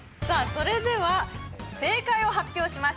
それでは正解を発表します